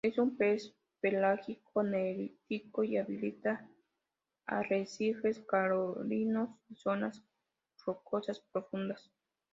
Es un pez pelágico-nerítico, y habita arrecifes coralinos y zonas rocosas profundas.